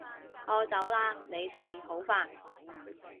我走喇！你哋好煩